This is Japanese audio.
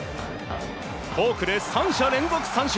フォークで３者連続三振。